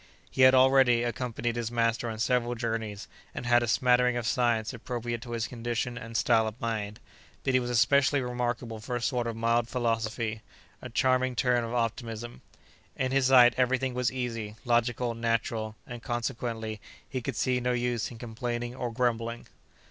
He had, already, accompanied his master on several journeys, and had a smattering of science appropriate to his condition and style of mind, but he was especially remarkable for a sort of mild philosophy, a charming turn of optimism. In his sight every thing was easy, logical, natural, and, consequently, he could see no use in complaining or grumbling.